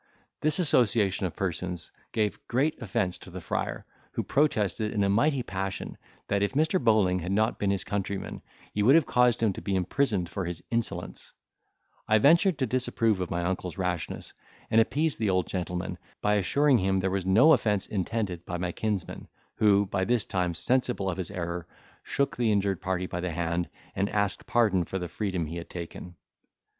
This association of persons gave great offence to the friar, who protested, in a mighty passion, that if Mr. Bowling had not been his countryman, he would have caused him to be imprisoned for his insolence; I ventured to disapprove of my uncle's rashness, and appeased the old gentleman, by assuring him there was no offence intended by my kinsman, who, by this time sensible of his error, shook the injured party by the hand, and asked pardon for the freedom he had taken.